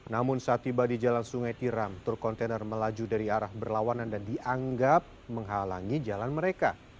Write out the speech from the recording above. namun saat tiba di jalan sungai tiram truk kontainer melaju dari arah berlawanan dan dianggap menghalangi jalan mereka